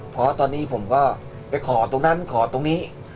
เพราะตอนนี้ผมก็ไปขอตรงนั้นขอตรงนี้